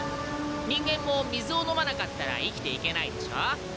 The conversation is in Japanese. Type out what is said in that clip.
人間も水を飲まなかったら生きていけないでしょ。